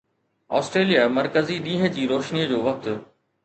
Australia مرڪزي ڏينهن جي روشني جو وقت